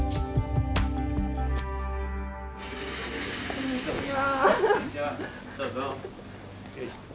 こんにちは。